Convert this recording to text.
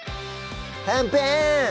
「はんぺーん」